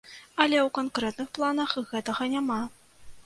Але ў канкрэтных планах гэтага няма.